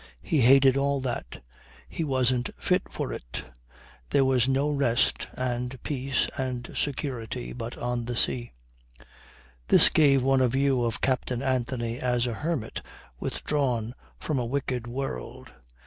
He hated all that. He wasn't fit for it. There was no rest and peace and security but on the sea. This gave one a view of Captain Anthony as a hermit withdrawn from a wicked world.